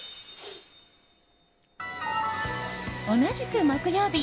同じく木曜日。